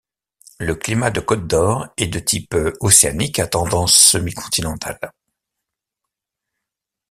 Le climat de Côte-d’Or est de type océanique à tendance semi-continentale.